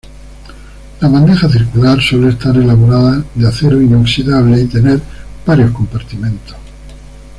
La bandeja circular suele estar elaborada de acero inoxidable y tener varios compartimentos.